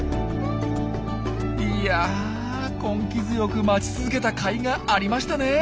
いや根気強く待ち続けたかいがありましたねえ。